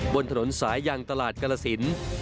บนถนนสายยางตลาดกลศินศ์